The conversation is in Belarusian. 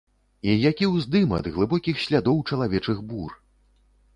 І які ўздым ад глыбокіх слядоў чалавечых бур!